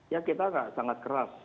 ya kita sangat keras